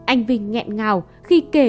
anh vinh nghẹn ngào khi kể